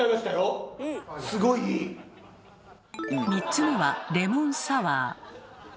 ３つ目はレモンサワー。